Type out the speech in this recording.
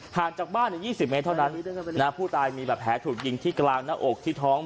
ห่างจากบ้านอีก๒๐เมตรเท่านั้นนาผู้ตายเมียมีแบบแหทุดยิงที่กลางหน้าอกที่ท้อง